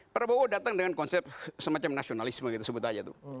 prabowo datang dengan konsep semacam nasionalisme kita sebut aja tuh